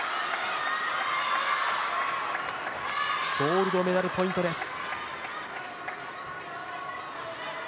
ゴールドメダルポイントです。